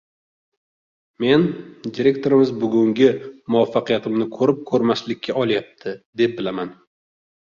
Men, direktorimiz bugungi muvaffaqiyatimni ko‘rib-ko‘rmaslikka olayapti, deb bilaman.